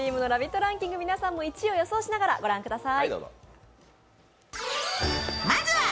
ランキング、皆さんも１位を予想しながら御覧ください。